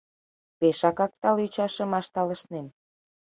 Пешакак тале ӱчашымаш талышнен.